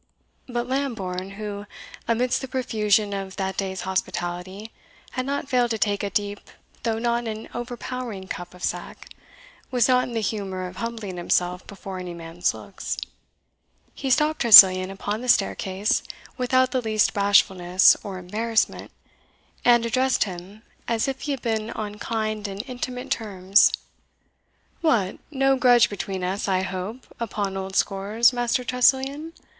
But Lambourne, who, amidst the profusion of that day's hospitality, had not failed to take a deep though not an overpowering cup of sack, was not in the humour of humbling himself before any man's looks. He stopped Tressilian upon the staircase without the least bashfulness or embarrassment, and addressed him as if he had been on kind and intimate terms: "What, no grudge between us, I hope, upon old scores, Master Tressilian?